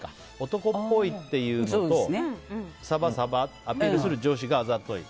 男っぽいっていうのとサバサバアピールする女子があざとい。